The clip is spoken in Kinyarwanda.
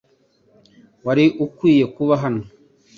Wari ukwiye kuba hano .